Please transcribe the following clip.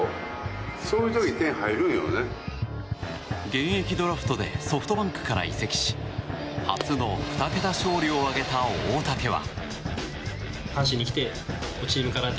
現役ドラフトでソフトバンクから移籍し初の２桁勝利を挙げた大竹は。